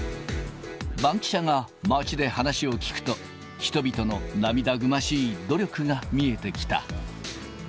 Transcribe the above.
バンキシャ！が街で話を聞くと、人々の涙ぐましい努力が見えてきた。